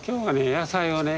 野菜をね